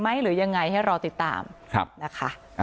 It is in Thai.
การสืบทอดอำนาจของขอสอชอและยังพร้อมจะเป็นนายกรัฐมนตรี